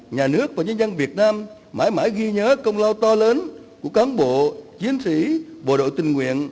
nhà nước và nhân dân việt nam mãi mãi ghi nhớ công lao to lớn của cán bộ chiến sĩ bộ đội tình nguyện